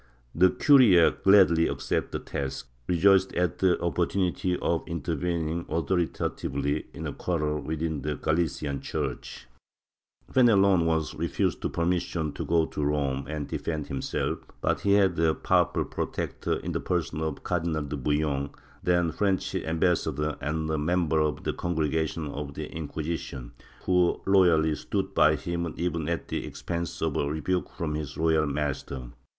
The curia gladly accepted the task, rejoiced at the opportunity of intervening authoritatively in a quarrel within the Galilean Chui'ch. Fenelon VOL. IV 5 66 MYSTICISM [Book YIII was refused permission to go to Rome and defend himself, but he had a powerful protector in the person of the Cardinal de Bouillon, then French ambassador and a member of the Congregation of the Inquisition, who loyally stood by him even at the expense of a rebuke from his royal master.